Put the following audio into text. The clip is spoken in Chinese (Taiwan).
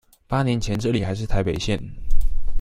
八年前這裡還是臺北縣